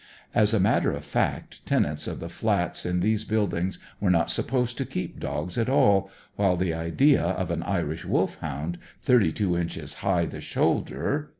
As a matter of fact tenants of the flats in these buildings were not supposed to keep dogs at all, while the idea of an Irish Wolfhound, thirty two inches high the shoulder!